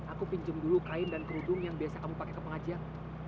aku pinjam dulu kain dan kerudung yang biasa kamu pakai ke pengajian